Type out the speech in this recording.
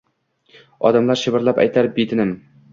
Odamlar shivirlab aytar betinim